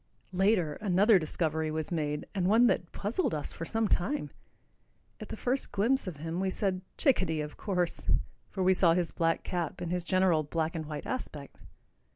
Later, another discovery was made, and one that puzzled us for some time. At the first glimpse of him we said, "Chickadee, of course," for we saw his black cap and his general black and white aspect.